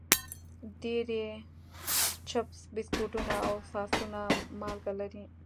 ډېری چپس، بسکټونه او ساسونه مالګه لري.